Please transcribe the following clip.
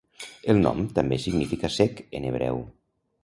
El nom també significa "sec" en hebreu.